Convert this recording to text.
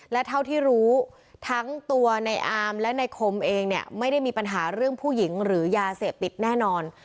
และเท่าที่รู้ทั้งตัวในอามและในคมเองเนี่ยไม่ได้มีปัญหาเรื่องผู้หญิงหรือยาเสพติดแน่นอน